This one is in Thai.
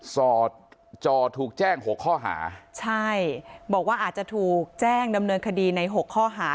สอดจอถูกแจ้งหกข้อหาใช่บอกว่าอาจจะถูกแจ้งดำเนินคดีในหกข้อหา